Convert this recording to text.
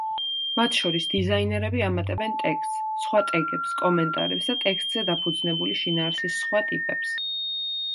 მათ შორის დიზაინერები ამატებენ ტექსტს, სხვა ტეგებს, კომენტარებს და ტექსტზე დაფუძნებული შინაარსის სხვა ტიპებს.